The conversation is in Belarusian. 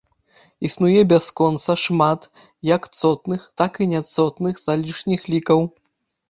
Існуе бясконца шмат як цотных, так і няцотных залішніх лікаў.